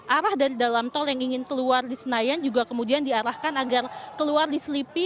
arah dari dalam tol yang ingin keluar di senayan juga kemudian diarahkan agar keluar di selipi